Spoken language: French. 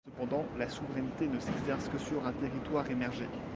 Cependant, la souveraineté ne s'exerce que sur un territoire émergé.